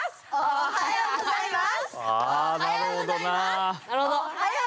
おはようございます。